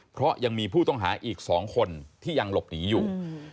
เพราะยังมีผู้ต้องหาอีก๒คนที่ยังหลบหนีอยู่